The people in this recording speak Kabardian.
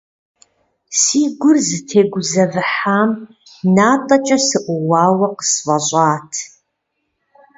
Си гур зытегузэвыхьам натӏэкӏэ сыӀууауэ къысфӏэщӏат.